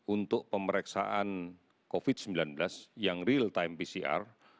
untuk pemeriksaan covid sembilan belas yang real time pcr